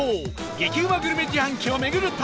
激うまグルメ自販機を巡る旅